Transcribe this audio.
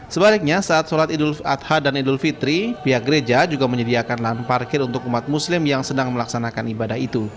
sebaliknya saat sholat idul adha dan idul fitri pihak gereja juga menyediakan lahan parkir untuk umat muslim yang sedang melaksanakan ibadah itu